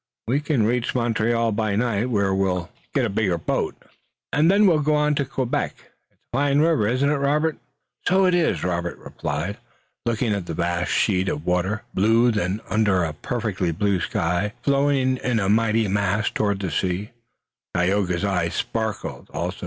We can reach Montreal by night, where we'll get a bigger boat, and then we'll go on to Quebec. It's a fine river, isn't it, Robert?" "So it is," replied Robert, looking at the vast sheet of water, blue then under a perfectly blue sky, flowing in a mighty mass toward the sea. Tayoga's eyes sparkled also.